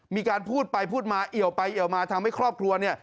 มีการพูดไปพูดมาเอี่ยวไปเอี่ยวมาทำให้ครอบครัวเนี่ย